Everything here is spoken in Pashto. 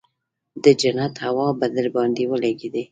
د جنت هوا به درباندې ولګېګي.